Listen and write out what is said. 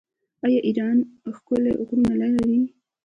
آیا ایران ښکلي غرونه نلري؟